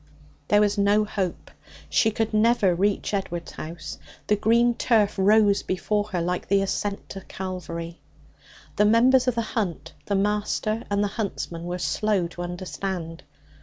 There was no hope. She could never reach Edward's house. The green turf rose before her like the ascent to Calvary. The members of the hunt, the Master and the huntsmen, were slow to understand.